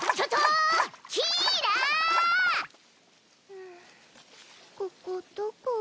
うーんここどこ？